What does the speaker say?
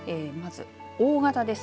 大型です。